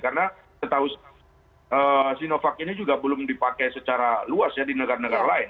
karena kita tahu sinovac ini juga belum dipakai secara luas ya di negara negara lain